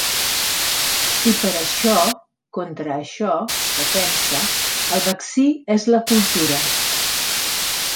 I per això, contra això, defensa, el vaccí és la cultura.